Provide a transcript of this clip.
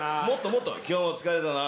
もっと「今日も疲れたな」。